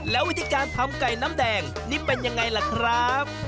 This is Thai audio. แล้ววิธีการทำไก่น้ำแดงนี่เป็นยังไงล่ะครับ